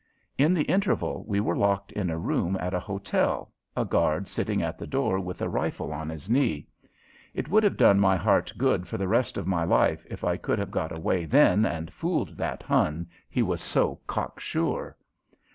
In the interval we were locked in a room at a hotel, a guard sitting at the door with a rifle on his knee. It would have done my heart good for the rest of my life if I could have got away then and fooled that Hun, he was so cocksure.